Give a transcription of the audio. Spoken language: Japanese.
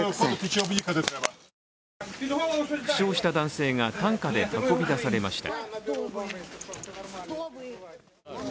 負傷した男性が担架で運び出されました。